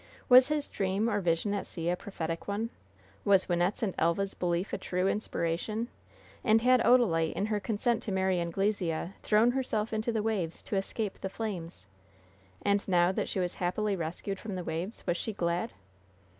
Was his dream or vision at sea a prophetic one? Was Wynnette's and Elva's belief a true inspiration? And had Odalite, in her consent to marry Anglesea, thrown herself into the waves to escape the flames? And now that she was happily rescued from the waves, was she glad?